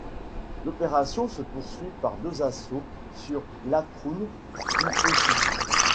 L'opération se poursuit par deux assauts sur Latroun qui échouent.